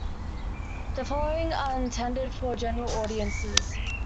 The following are intended for general audiences.